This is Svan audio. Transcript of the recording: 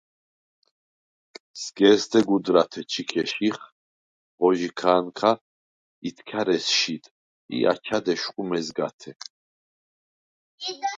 სგ’ე̄სდე გუდრათე ჩიქე შიხ, ღო ჟიქა̄ნქა ითქა̈რ ესშიდ ი აჩა̈დ ეშხუ მეზგათე.